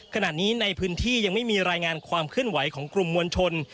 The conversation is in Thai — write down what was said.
ขณะนี้ในพื้นที่ยังไม่มีรายงานความเคลื่อนไหวของกลุ่มมวลชน